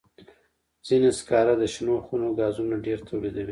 ځینې سکاره د شنو خونو ګازونه ډېر تولیدوي.